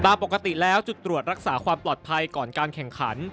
ปกติแล้วจุดตรวจรักษาความปลอดภัยก่อนการแข่งขัน